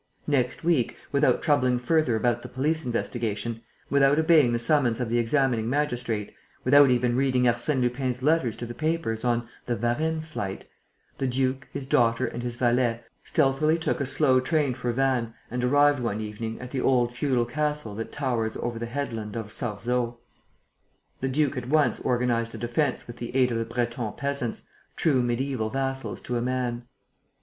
Next week, without troubling further about the police investigation, without obeying the summons of the examining magistrate, without even reading Arsène Lupin's letters to the papers on "the Varennes Flight," the duke, his daughter and his valet stealthily took a slow train for Vannes and arrived one evening, at the old feudal castle that towers over the headland of Sarzeau. The duke at once organized a defence with the aid of the Breton peasants, true mediæval vassals to a man.